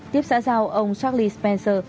tiếp xã giao ông charlie spencer